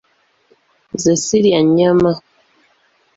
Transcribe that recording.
Nze sirya nnyama.